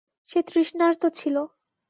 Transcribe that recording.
সে তৃষ্ণার্ত ছিল।